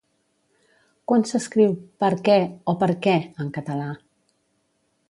Quan s'escriu per què o perquè en català?